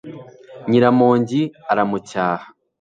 nyiramongi aramucyaha